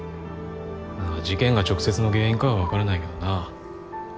事件が直接の原因かは分からないけどな。